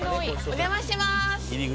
お邪魔します。